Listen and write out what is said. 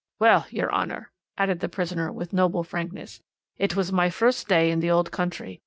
"'Well, your Honour,' added the prisoner with noble frankness, 'it was my first day in the old country.